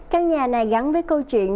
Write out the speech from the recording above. căn nhà này gắn với câu chuyện